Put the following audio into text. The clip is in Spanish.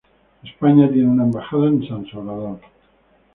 España tiene una embajada en San Salvador.